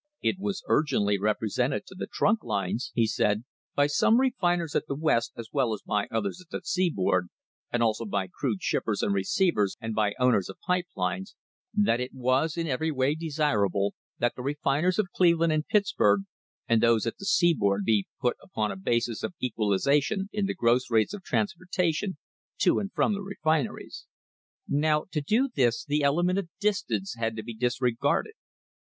It was "urgently repre sented to the trunk lines," he said, "by some refiners at the West as well as by others at the seaboard, and also by crude shippers and receivers and by owners of pipe lines, that it was in every way desirable that the refiners of Cleveland and Pittsburg, and those at the seaboard be put upon a basis of equalisation in the gross rates of transportation to and from the refineries." Now to do this the element of distance had to be disregarded.